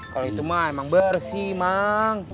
kalau itu emang bersih bang